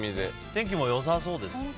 天気も良さそうですよね。